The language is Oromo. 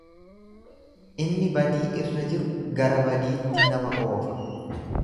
Inni badii irra jiru gara badiitti nama oofa.